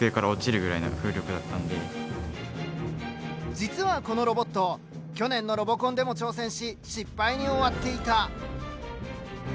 実はこのロボット去年のロボコンでも挑戦し失敗に終わっていた。